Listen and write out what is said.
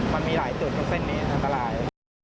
มันมีหลายจุดกับเส้นนี้อันตราย